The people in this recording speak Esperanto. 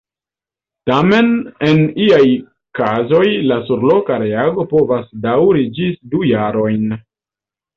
Tamen en iaj kazoj la surloka reago povas daŭri ĝis du jarojn.